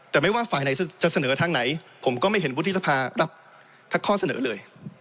แต่ไม่ว่าฝ่ายไหนจะเสนอทางไหนผมก็ไม่เห็นวุฒิสภารับข้อเสนอเลย